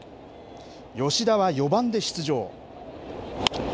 吉田は４番で出場。